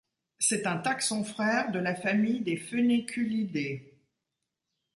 C'est un taxon-frère de la famille des Phoeniculidae.